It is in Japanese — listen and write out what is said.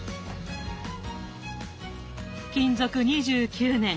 勤続２９年。